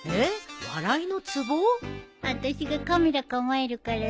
あたしがカメラ構えるからさ